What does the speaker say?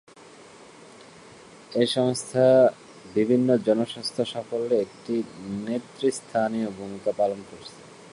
এই সংস্থার বিভিন্ন জনস্বাস্থ্য সাফল্যে একটি নেতৃস্থানীয় ভূমিকা পালন করেছে।